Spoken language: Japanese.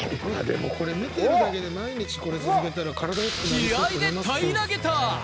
気合で平らげた！